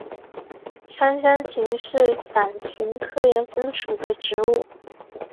山香芹是伞形科岩风属的植物。